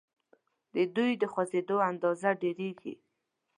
د دوی د خوځیدو اندازه ډیریږي.